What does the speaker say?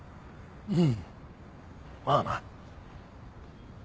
うんまあな。